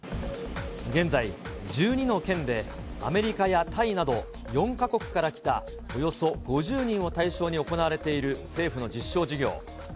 現在、１２の県で、アメリカやタイなど４か国から来たおよそ５０人を対象に行われている政府の実証事業。